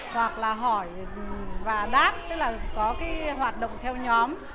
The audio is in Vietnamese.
hoặc là hỏi và đáp tức là có cái hoạt động theo nhóm